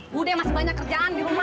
bu de masih banyak kerjaan di rumah